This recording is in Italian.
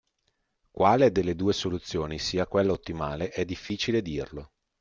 Quale delle due soluzioni sia quella ottimale è difficile dirlo.